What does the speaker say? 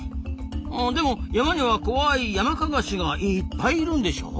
でも山には怖いヤマカガシがいっぱいいるんでしょ？